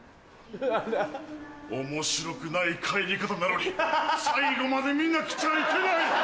面白くない帰り方なのに最後まで見なくちゃいけない！